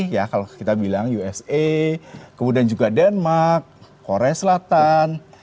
ya kalau kita bilang usa kemudian juga denmark korea selatan